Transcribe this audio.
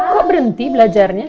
kok berhenti belajarnya